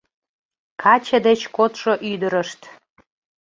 Каче деч кодшо ӱдырышт